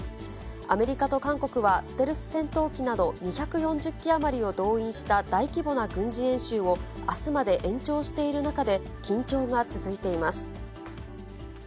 アメリカと韓国は、ステルス戦闘機など２４０機余りを動員した大規模な軍事演習を、あすまで延長している中で緊張が続いています。